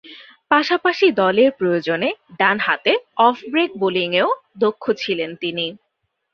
পাশাপাশি দলের প্রয়োজনে ডান হাতে অফ-ব্রেক বোলিংয়েও দক্ষ ছিলেন তিনি।